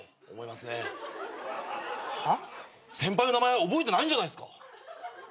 先輩の名前を覚えてないんじゃないっすか？